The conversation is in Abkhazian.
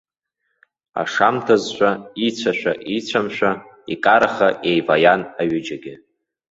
Ашамҭазшәа, ицәашәа-ицәамшәа, икараха еиваиан аҩыџьагьы.